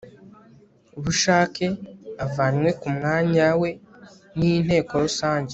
bushake avanywe ku mwanya we n Inteko Rusange